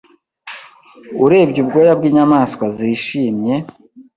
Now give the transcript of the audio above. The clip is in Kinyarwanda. Urebye ubwoya bw'inyamaswa zishimye